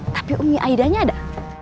tapi umi aidahnya ada